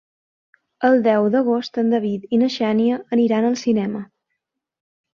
El deu d'agost en David i na Xènia aniran al cinema.